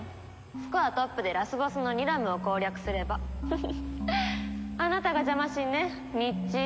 スコアトップでラスボスのニラムを攻略すればあなたがジャマ神ねミッチー。